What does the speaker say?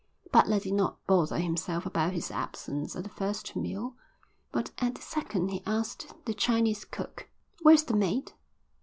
Butler did not bother himself about his absence at the first meal, but at the second he asked the Chinese cook: "Where's the mate?